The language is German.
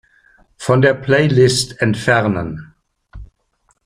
Von der Playlist entfernen.